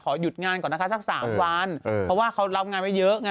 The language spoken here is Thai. หยุดงานก่อนนะคะสัก๓วันเพราะว่าเขารับงานไว้เยอะไง